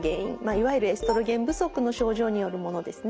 いわゆるエストロゲン不足の症状によるものですね。